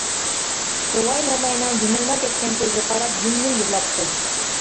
بوۋاي موماينىڭ يۇمۇلماي كەتكەن كۆزىگە قاراپ يۇم-يۇم يىغلاپتۇ.